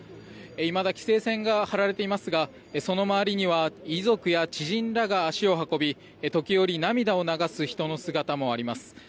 いまだ規制線が張られていますがその周りには遺族や知人らが足を運び時折、涙を流す人の姿もあります。